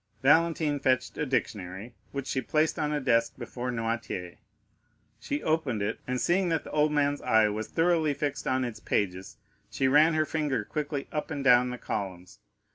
Valentine fetched a dictionary, which she placed on a desk before Noirtier; she opened it, and, seeing that the old man's eye was thoroughly fixed on its pages, she ran her finger quickly up and down the columns.